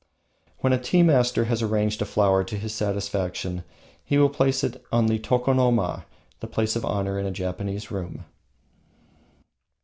When a tea master has arranged a flower to his satisfaction he will place it on the tokonoma, the place of honour in a Japanese room.